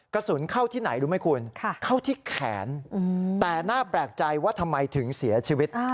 กระสุนเข้าที่ไหนรู้ไหมคุณเข้าที่แขนแต่น่าแปลกใจว่าทำไมถึงเสียชีวิต